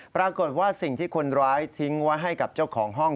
ปรากฏว่าสิ่งที่คนร้ายทิ้งไว้ให้กับเจ้าของห้อง